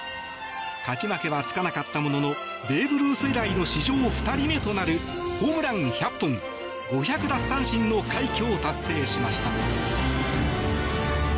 勝ち負けはつかなかったもののベーブ・ルース以来の史上２人目となるホームラン１００本５００奪三振の快挙を達成しました。